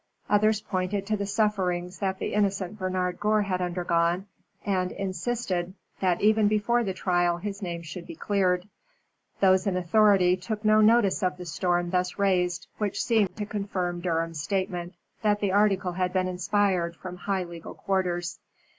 Others pointed to the sufferings that the innocent Bernard Gore had undergone, and insisted that even before the trial his name should be cleared. Those in authority took no notice of the storm thus raised, which seemed to confirm Durham's statement that the article had been inspired from high legal quarters.